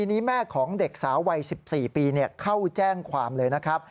ที่เด็กวัย๑๓เรียกว่า